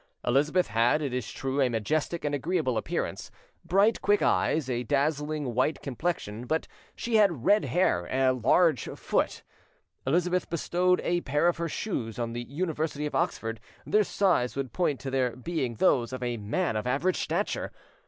Elizabeth had, it is true, a majestic and agreeable appearance, bright quick eyes, a dazzlingly white complexion; but she had red hair, a large foot,—[Elizabeth bestowed a pair of her shoes on the University of Oxford; their size would point to their being those of a man of average stature.